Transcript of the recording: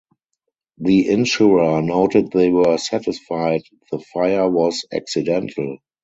The insurer noted they were satisfied the fire was accidental.